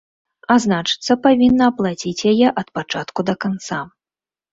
А значыцца, павінна аплаціць яе ад пачатку да канца.